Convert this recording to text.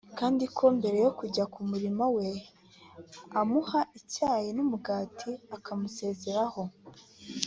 kandi ko mbere yo kujya ku mirimo ye amuha icyayi n’umugati akamusezeraho